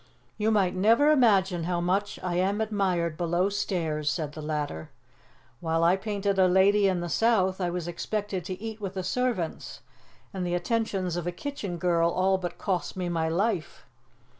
"You might never imagine how much I am admired below stairs!" said the latter. "While I painted a lady in the south, I was expected to eat with the servants, and the attentions of a kitchen girl all but cost me my life.